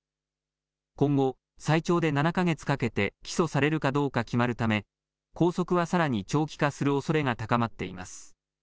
今後、最長で７か月かけて起訴されるかどうか決まるため、拘束はさらに長期化するおそれが高まっています。